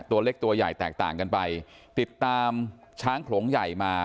ตัวเล็กตัวใหญ่แตกต่างกันไปติดตามช้างโขลงใหญ่มา